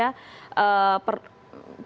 penyebaran media sosial